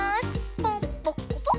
ポンポコポン！